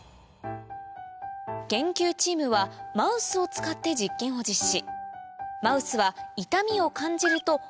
研究チームはマウスを使って実験を実施